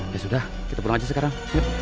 ya sudah kita pulang aja sekarang